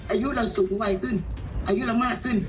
อายุเราสูงวัยขึ้นอายุเรามากขึ้น